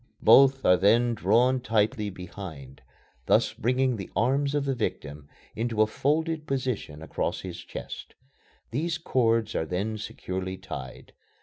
Both are then drawn tightly behind, thus bringing the arms of the victim into a folded position across his chest. These cords are then securely tied.